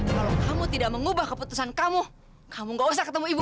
kalau kamu tidak mengubah keputusan kamu kamu gak usah ketemu ibu